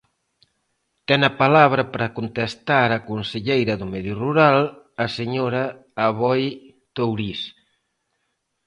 Ten a palabra para contestar a conselleira do Medio Rural, a señora Aboi Touriz.